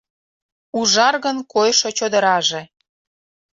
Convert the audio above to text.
Ужаргын койшо чодыраже